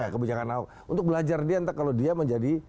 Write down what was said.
kebijakan awang untuk belajar dia entah kalau dia menjadi